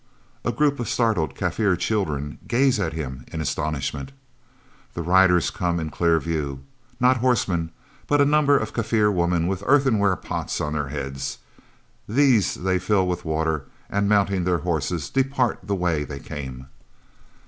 A group of startled Kaffir children gaze at him in astonishment. The riders come in clear view not horsemen, but a number of Kaffir women with earthenware pots on their heads. These they fill with water, and mounting their horses depart the way they came.